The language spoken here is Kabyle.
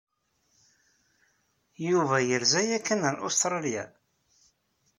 Yuba yerza yakan ar Ustṛalya?